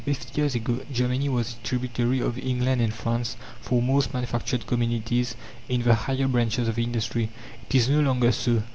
Fifty years ago Germany was a tributary of England and France for most manufactured commodities in the higher branches of industry. It is no longer so.